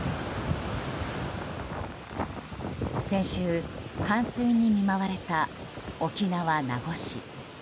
先週、冠水に見舞われた沖縄・名護市。